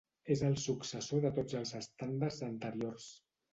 És el successor de tots els estàndards anteriors.